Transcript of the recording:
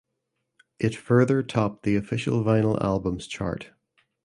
It further topped the Official Vinyl Albums Chart.